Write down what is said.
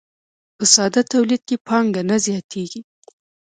په ساده تولید کې پانګه نه زیاتېږي